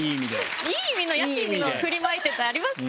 いい意味の野心の振りまいてってありますか？